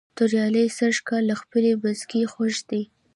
توریالی سږ کال له خپلې بزگرۍ خوښ دی.